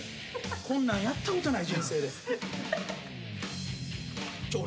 こんなんやったことない人生で。